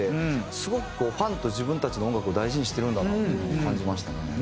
すごくファンと自分たちの音楽を大事にしてるんだなっていうのを感じましたね。